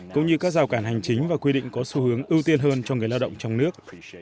cũng như các rào cản hành chính và quy định có xu hướng ưu tiên hơn cho người lao động trong nước